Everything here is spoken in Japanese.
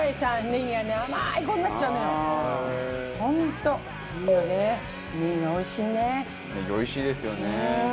ネギおいしいですよね。